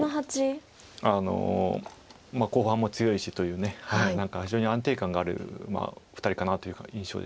後半も強いしという何か非常に安定感がある２人かなという印象ですよね。